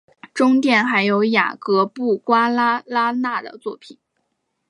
中殿还有雅格布瓜拉纳的作品。